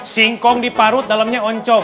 singkong diparut dalamnya oncong